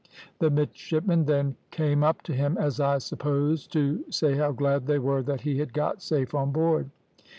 The midshipmen then came up to him, as I supposed, to say how glad they were that he had got safe on board.